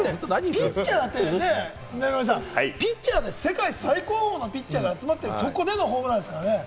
だってピッチャーで世界最高峰のピッチャーが集まってるところでのホームランですからね。